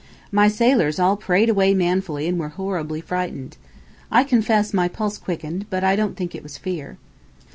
My sailors all prayed away manfully and were horribly frightened. I confess my pulse quickened, but I don't think it was fear.